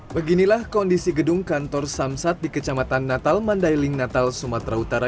beginilah kondisi gedung kantor samsat di kecamatan natal mandailing natal sumatera utara